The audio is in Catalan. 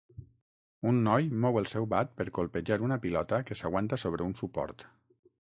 Un noi mou el seu bat per colpejar una pilota que s'aguanta sobre un suport.